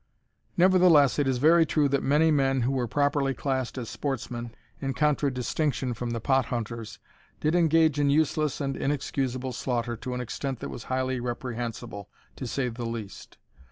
Nevertheless it is very true that many men who were properly classed as sportsmen, in contradistinction from the pot hunters, did engage in useless and inexcusable slaughter to an extent that was highly reprehensible, to say the least.